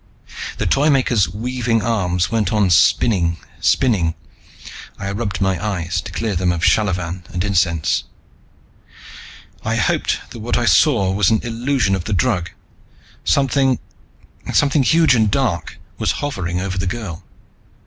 The Toymaker's weaving arms went on spinning, spinning. I rubbed my eyes to clear them of shallavan and incense. I hoped that what I saw was an illusion of the drug something, something huge and dark, was hovering over the girl.